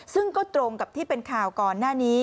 ซึ่งก็ตรงกับที่เป็นข่าวก่อนหน้านี้